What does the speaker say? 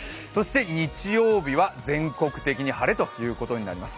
日曜日は全国的に晴れということになります。